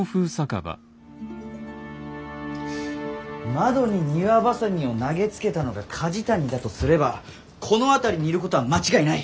窓に庭ばさみを投げつけたのが梶谷だとすればこの辺りにいることは間違いない。